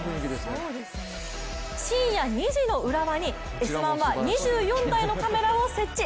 深夜２時の浦和に「Ｓ☆１」は２４台のカメラを設置。